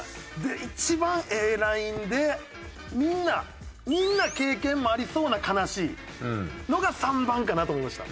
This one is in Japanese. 一番ええラインでみんなみんな経験もありそうな悲しいのが３番かなと思いました。